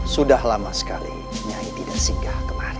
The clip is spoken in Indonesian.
sudah lama sekali kiai tidak singgah kemari